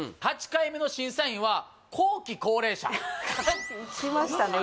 ８回目の審査員は後期高齢者きましたね